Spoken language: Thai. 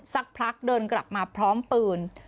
สักพักเดินกลับมาพร้อมปืน